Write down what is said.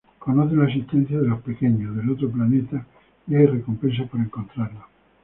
Conocen la existencia de "los pequeños" del otro planeta y hay recompensa por encontrarlos.